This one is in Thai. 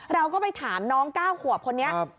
เราก็ไปถามน้อง๙ขวบคนนี้